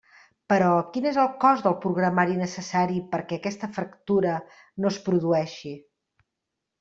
Però, quin és el cost del programari necessari perquè aquesta fractura no es produeixi?